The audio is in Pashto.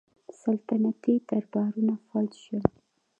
سلطنتي دربارونه فلج شول.